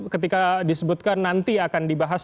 ketika disebutkan nanti akan dibahas